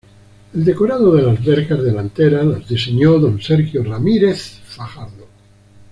El decorado de las verjas delanteras las diseñó don Sergio Ramírez Fajardo.